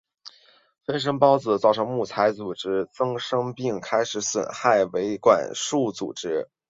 分生孢子造成木材组织增生并开始损害维管束系统。